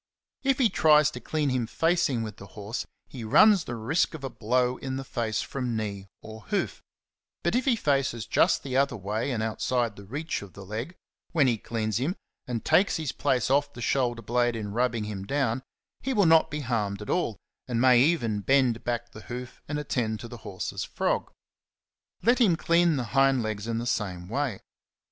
If he tries to clean him facing with the horse, he runs the risk of a blow in the face from knee or hoof; but if he faces just the other way and outside the reach of the leg, when he cleans him, and takes his place off the shoulder blade in rubbing him down, he will not be harmed at all, and may even bend back the hoof and attend to the horse's frog. Let him clean the hind legs in the same way.